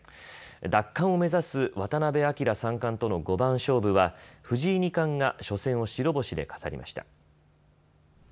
奪還を目指す渡辺明三冠との五番勝負は藤井二冠が初戦を白星で飾りました。